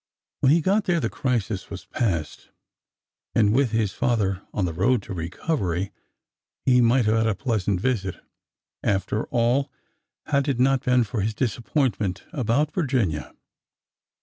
When he got there the crisis was past, and, with his father on the road to recovery, he might have had a pleasant visit, after all, had it not been for his disappointment about Vir ginia.